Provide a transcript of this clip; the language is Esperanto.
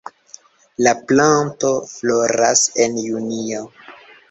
La planto floras en junio.